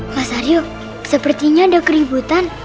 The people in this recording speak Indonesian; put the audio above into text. mas aryo sepertinya ada keributan